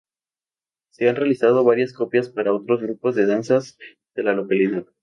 Se han realizado varias copias para otros grupos de danzas de la localidad.